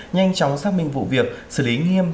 nhanh chóng xác minh vụ việc xử lý nghiêm